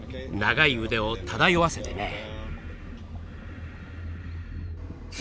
長い腕を漂わせてね。